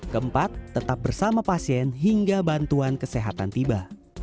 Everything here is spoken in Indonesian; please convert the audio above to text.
keempat tetap bersama pasien hingga bantuan kesehatan tiba